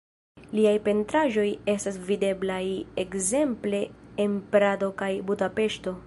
Liaj pentraĵoj estas videblaj ekzemple en Prado kaj Budapeŝto.